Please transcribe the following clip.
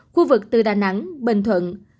khu vực từ đà nẵng bình thuận